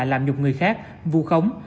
làm nhục người khác vụ khống